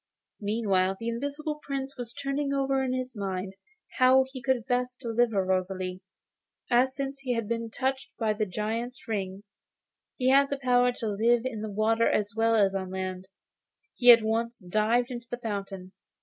Meanwhile the Invisible Prince was turning over in his mind how he could best deliver Rosalie. As, since he had been touched by the Giant's ring, he had the power to live in the water as well as on land, he at once dived into the fountain.